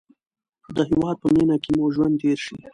د هېواد په مینه کې مو ژوند تېر شي.